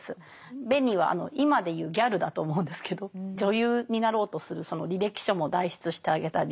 ベニは今で言うギャルだと思うんですけど女優になろうとするその履歴書も代筆してあげたり。